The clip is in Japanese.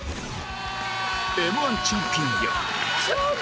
Ｍ−１ チャンピオンや